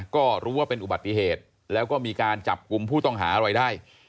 ก็รู้ว่าเป็นอุบัติเหตุแล้วก็มีการจับกลุ่มผู้ต้องหาอะไรได้